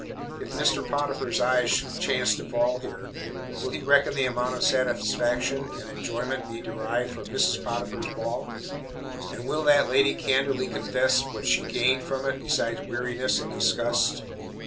If Mr. Potiphar's eyes should chance to fall here, will he reckon the amount of satisfaction and enjoyment he derived from Mrs. Potiphar's ball, and will that lady candidly confess what she gained from it beside weariness and disgust?